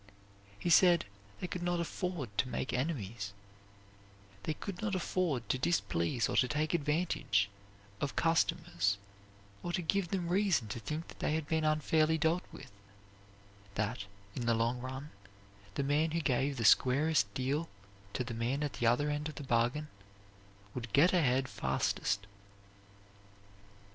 He said they could not afford to make enemies; they could not afford to displease or to take advantage of customers, or to give them reason to think that they had been unfairly dealt with, that, in the long run, the man who gave the squarest deal to the man at the other end of the bargain would get ahead fastest.